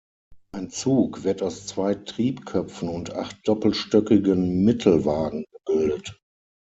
Ein Zug wird aus zwei Triebköpfen und acht doppelstöckigen Mittelwagen gebildet.